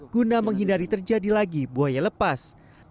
guna menghindari terjadi lagi buaya lepas